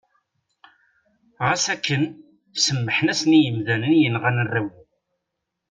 Ɣas akken, semmḥen-asen i yimdanen yenɣan arraw-iw.